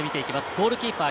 ゴールキーパー